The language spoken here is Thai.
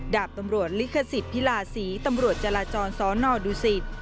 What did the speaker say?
ดาบตำรวจลิขสิทธิพิลาศรีตำรวจจราจรสนดูสิต